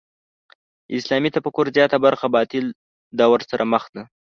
اسلامي تفکر زیاته برخه باطل دور سره مخ ده.